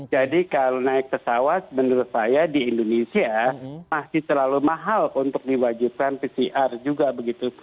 jadi kalau naik pesawat menurut saya di indonesia masih terlalu mahal untuk diwajibkan pcr juga begitu